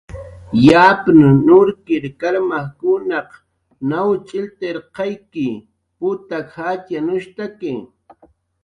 Yapn nurkir karmajkunaq naw ch'illtirqayk putak jatxyanushtaki